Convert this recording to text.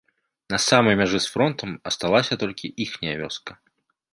На самай мяжы з фронтам асталася толькі іхняя вёска.